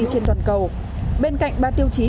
trên toàn cầu bên cạnh ba tiêu chí